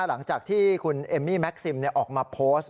หลังจากที่คุณเอมมี่แม็กซิมออกมาโพสต์